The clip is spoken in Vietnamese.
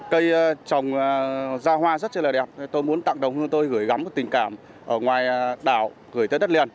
cây trồng ra hoa rất là đẹp tôi muốn tặng đồng hương tôi gửi gắm một tình cảm ở ngoài đảo gửi tới đất liền